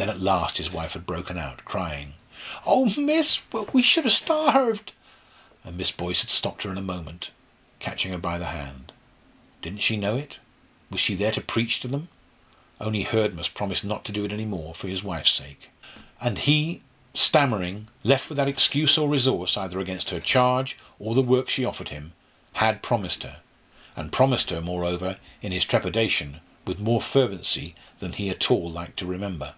Then at last his wife had broken out, crying: "Oh, miss! we should ha starved " And Miss Boyce had stopped her in a moment, catching her by the hand. Didn't she know it? Was she there to preach to them? Only Hurd must promise not to do it any more, for his wife's sake. And he stammering left without excuse or resource, either against her charge, or the work she offered him had promised her, and promised her, moreover in his trepidation with more fervency than he at all liked to remember.